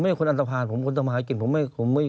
แล้วเคยทรับไทยกันไหมคะ